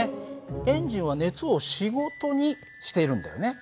エンジンは熱を仕事にしているんだよね。